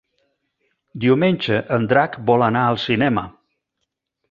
Diumenge en Drac vol anar al cinema.